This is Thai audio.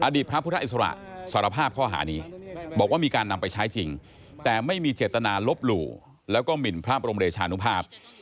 พระพุทธอิสระสารภาพข้อหานี้บอกว่ามีการนำไปใช้จริงแต่ไม่มีเจตนาลบหลู่แล้วก็หมินพระบรมเดชานุภาพ